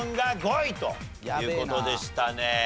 ５位という事でしたね。